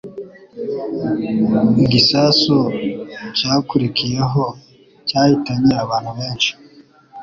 Igisasu cyakurikiyeho cyahitanye abantu benshi.